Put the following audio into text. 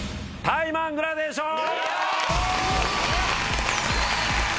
タイマングラデーション